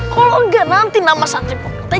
kalo gak nanti nama satri pokoknya